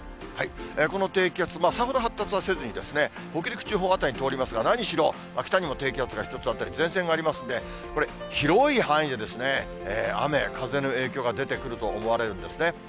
この低気圧、さほど発達はせずに、北陸地方辺りを通りますが、何しろ北の辺りに低気圧が１つあったり、前線がありますんで、これ、広い範囲で雨、風の影響が出てくると思われるんですね。